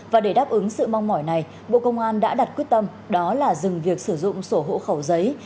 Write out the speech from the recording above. và để đáp ứng sự mong mỏi này bộ công an đã đặt quyết tâm đó là dừng việc sử dụng sổ hộ khẩu giấy